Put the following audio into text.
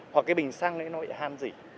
hoặc cái bình xăng nó bị han dỉ